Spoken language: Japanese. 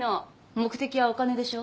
目的はお金でしょ？